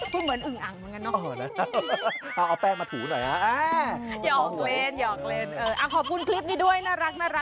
คือเหมือนอึ่งอ่ังตรงนั้นเหรอ